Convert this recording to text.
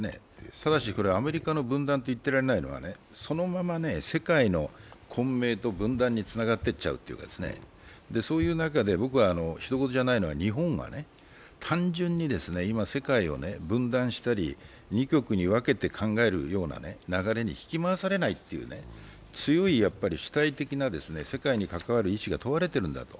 ただしアメリカの分断と言ってられないのがそのまま世界の混迷と分断につながっていっちゃうというか、そういう中で僕はひと事じゃないのは日本が単純に今、世界を分断したり２極に分けて考えるような流れに引き回されないという強い主体的な世界に関わる意志が問われてるんだと。